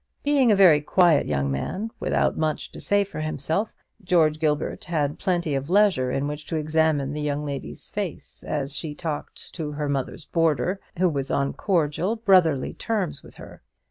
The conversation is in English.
Being a very quiet young man, without much to say for himself, George Gilbert had plenty of leisure in which to examine the young lady's face as she talked to her mother's boarder, who was on cordial brotherly terms with her.